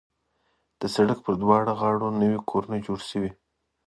د سړک پر دواړه غاړو نوي کورونه جوړ شوي.